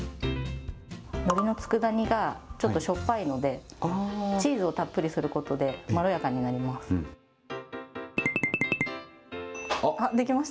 のりのつくだ煮がちょっとしょっぱいので、チーズをたっぷりすることで、まろやかになります。